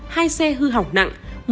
hai xe hư hỏng nặng